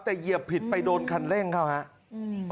แต่เหยียบผิดไปโดนคันเร่งเขาครับ